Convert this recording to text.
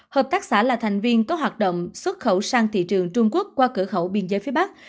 hợp tác xã là thành viên có hoạt động xuất khẩu sang thị trường trung quốc qua cửa khẩu biên giới phía bắc